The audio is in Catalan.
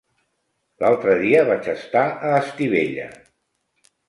L'altre dia vaig estar a Estivella.